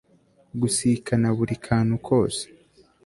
gusikana buri kantu kose